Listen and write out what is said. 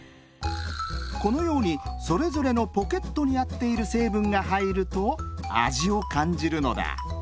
このようにそれぞれのポケットにあっているせいぶんがはいるとあじをかんじるのだ。